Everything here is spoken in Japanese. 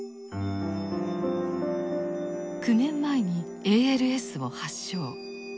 ９年前にＡＬＳを発症。